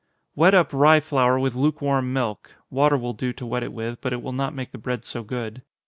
_ Wet up rye flour with lukewarm milk, (water will do to wet it with, but it will not make the bread so good.)